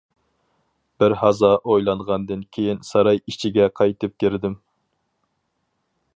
بىر ھازا ئويلانغاندىن كېيىن ساراي ئىچىگە قايتىپ كىردىم.